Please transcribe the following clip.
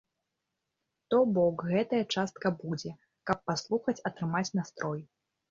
То бок, гэтая частка будзе, каб паслухаць, атрымаць настрой.